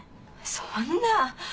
そんな！